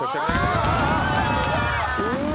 うわ！